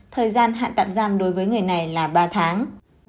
thời gian hạn tạm giam đối với người này là ba tháng